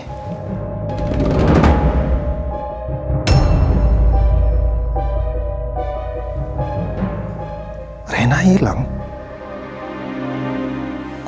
karena aku sudah nangis